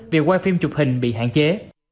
việc quay phim chụp hình bị hạn chế